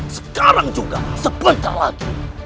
sekarang juga sepentang lagi